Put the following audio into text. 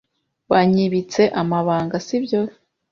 Wanyibitse amabanga, si byo?